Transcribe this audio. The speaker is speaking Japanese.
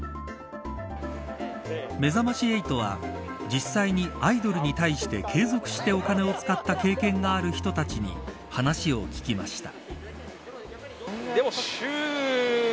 めざまし８は実際にアイドルに対して継続してお金を使った経験がある人たちに話を聞きました。